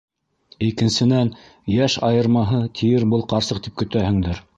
- «Икенсенән - йәш айырмаһы», тиер был ҡарсыҡ тип көтәһеңдер.